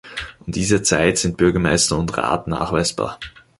Um diese Zeit sind Bürgermeister und Rat nachweisbar.